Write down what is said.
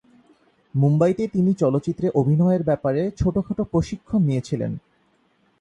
মুম্বাইতে তিনি চলচ্চিত্রে অভিনয়ের ব্যাপারে ছোটো খাটো প্রশিক্ষণ নিয়েছিলেন।